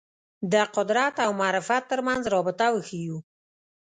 د قدرت او معرفت تر منځ رابطه وښييو